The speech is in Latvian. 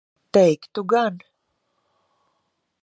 Teiktu gan.